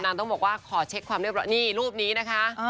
ต้องบอกว่าขอเช็คความเรียบร้อยนี่รูปนี้นะคะ